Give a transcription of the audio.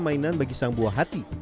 mainan bagi sang buah hati